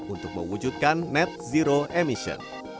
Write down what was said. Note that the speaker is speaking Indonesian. untuk mewujudkan net zero